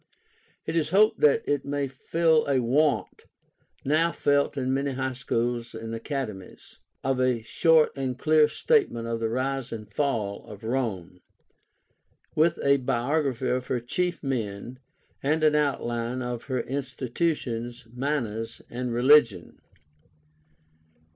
It is hoped that it may fill a want, now felt in many high schools and academies, of a short and clear statement of the rise and fall of Rome, with a biography of her chief men, and an outline of her institutions, manners, and religion.